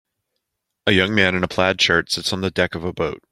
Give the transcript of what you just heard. A young man in a plaid shirts sits on the deck of a boat.